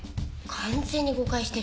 完全に誤解してるし。